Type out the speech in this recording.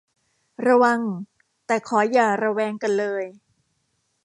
ระวัง แต่ขออย่าระแวงกันเลย